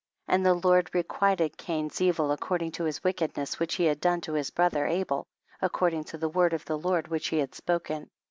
29. And the Lord requited Cain's evil according to his wickedness, which he had done to his brother Abel, according to the word of the Lord which he had spoken.